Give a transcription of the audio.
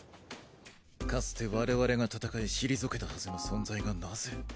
かつて我々が戦い退けたはずの存在がなぜ。